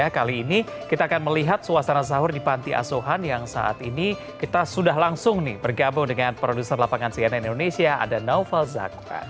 kali ini kita akan melihat suasana sahur di panti asuhan yang saat ini kita sudah langsung bergabung dengan produser lapangan cnn indonesia ada naufal zakwan